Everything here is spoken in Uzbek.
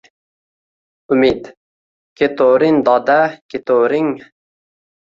Umid: keturin doda, keturing